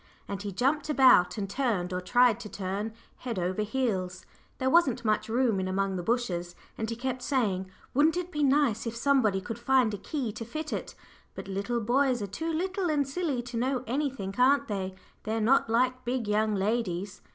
and he jumped about and turned or tried to turn head over heels: there wasn't much room in among the bushes, and he kept saying, "Wouldn't it be nice if somebody could find a key to fit it? But little boys are too little and silly to know anything, aren't they? They're not like big young ladies."